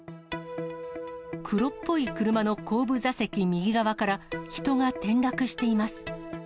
黒っぽい車の後部座席右側から、人が転落しています。